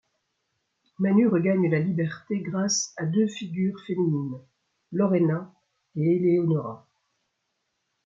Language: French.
Manu regagne la liberté grâce à deux figures féminines, Lorena et Eleonora.